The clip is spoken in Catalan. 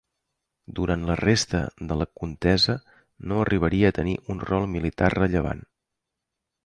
Durant la resta de la contesa no arribaria a tenir un rol militar rellevant.